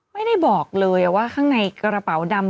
ไม่ได้บอกเลยว่าข้างในกระเป๋าดำ